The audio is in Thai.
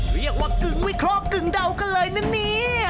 เรียกว่ากึ่งวิเคราะห์กึ่งเดากันเลยนะเนี่ย